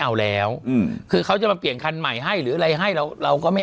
เอาแล้วอืมคือเขาจะมาเปลี่ยนคันใหม่ให้หรืออะไรให้เราเราก็ไม่